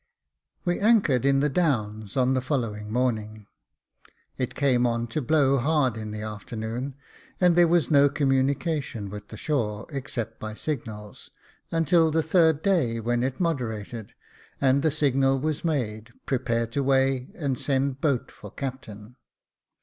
We anchored in the Downs on the following morning. It came on to blow hard in the afternoon, and there was no communication with the shore, except by signals, until the third day, when it moderated, and the signal was made, " Prepare to weigh, and send boat for captain."